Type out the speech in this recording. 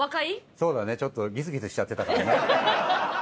そうだねちょっとギスギスしちゃってたからね。